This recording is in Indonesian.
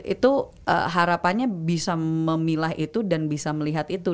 itu harapannya bisa memilah itu dan bisa melihat itu